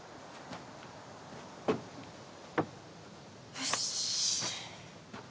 よし。